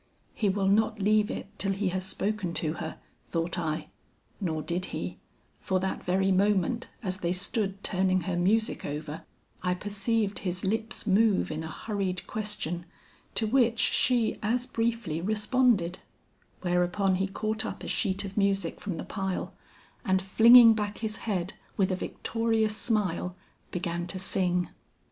'He will not leave it till he has spoken to her,' thought I. Nor did he, for that very moment as they stood turning her music over, I perceived his lips move in a hurried question, to which she as briefly responded, whereupon he caught up a sheet of music from the pile, and flinging back his head with a victorious smile, began to sing.